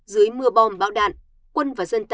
dưới mưa bom bão đạn quân và dân